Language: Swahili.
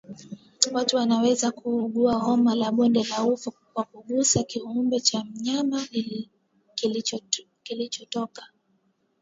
Watu wanaweza kuugua homa ya bonde la ufa kwa kugusa kiumbe cha mnyama kilichotoka